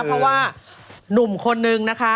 เพราะว่าหนุ่มคนนึงนะคะ